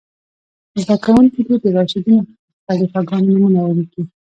زده کوونکي دې د راشدینو خلیفه ګانو نومونه ولیکئ.